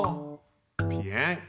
ぴえん！